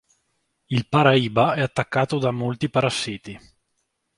Il Piraìba è attaccato da molti parassiti.